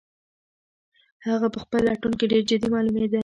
هغه په خپل لټون کې ډېر جدي معلومېده.